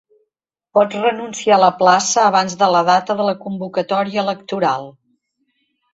Pots renunciar a la plaça abans de la data de la convocatòria electoral.